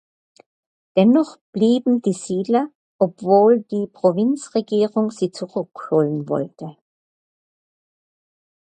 Dennoch blieben die Siedler, obwohl die Provinzregierung sie zurückholen wollte.